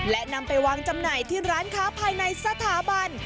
และนำไปวางจำหน่ายที่ร้านค้าภายในสถาบัน